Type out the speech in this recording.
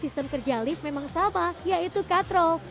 sistem kerja lift memang sama yaitu katrol